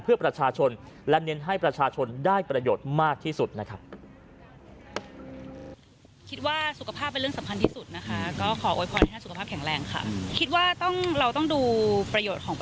เพื่อประชาชนและเน้นให้ประชาชนได้ประโยชน์มากที่สุดนะครับ